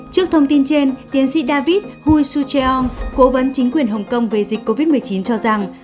trước thông tin trên tiến sĩ david hui sucheong cố vấn chính quyền hồng kông về dịch covid một mươi chín cho rằng